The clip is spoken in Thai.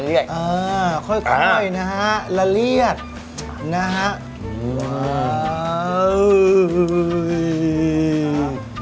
เรื่อยอ่าค่อยน่ะฮะต่ำเรียกน่าฮะ